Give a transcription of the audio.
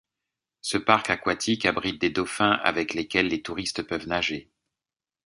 Ce parc aquatique abrite des dauphins avec lesquels les touristes peuvent nager.